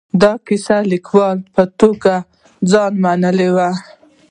د یوه کیسه لیکوال په توګه ځان منلی و.